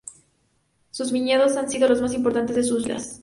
Sus viñedos han sido lo más importante de sus vidas.